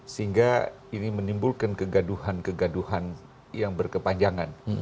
sehingga ini menimbulkan kegaduhan kegaduhan yang berkepanjangan